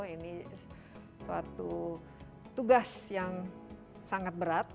ini suatu tugas yang sangat berat